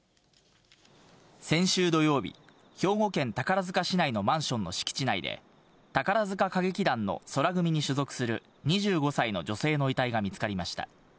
先週土曜日、兵庫県宝塚市内のマンションの敷地内で、宝塚歌劇団の宙組に所属する２５歳の女性の遺体が見つかりました。